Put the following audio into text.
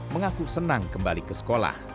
mengaku senang kembali ke sekolah